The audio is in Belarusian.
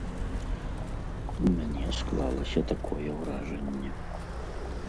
У мяне склалася такое ўражанне.